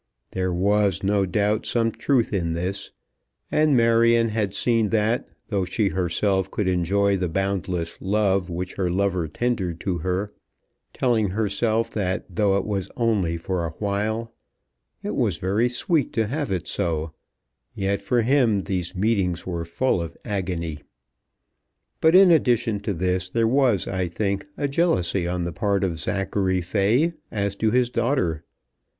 There was, no doubt, some truth in this. And Marion had seen that though she herself could enjoy the boundless love which her lover tendered to her, telling herself that though it was only for a while, it was very sweet to have it so, yet for him these meetings were full of agony. But in addition to this there was, I think, a jealousy on the part of Zachary Fay as to his daughter.